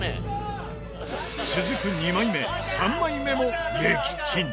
続く２枚目、３枚目も撃沈